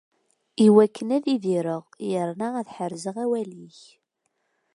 Iwakken ad idireɣ yerna ad ḥerzeɣ awal-ik.